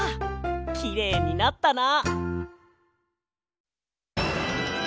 きれいになったな！